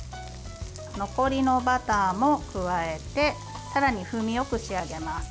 残りのバターも加えてさらに風味よく仕上げます。